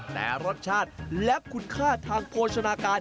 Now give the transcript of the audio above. แต่รสชาติและคุณค่าทางโภชนาการ